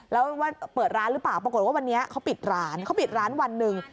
แล้วว่าเปิดร้านหรือเปล่าปรากฏว่าวันนี้เขาปิดร้านเขาปิดร้านวันหนึ่ง